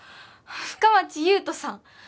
深町裕人さん